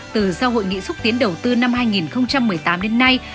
từ sau hội nghị xúc tiến đầu tư năm hai nghìn một mươi tám đến nay